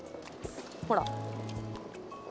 ほら。